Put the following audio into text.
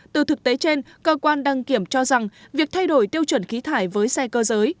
từ thực tế trên cơ quan đăng kiểm cho rằng việc thay đổi tiêu chuẩn khí thải với xe cơ giới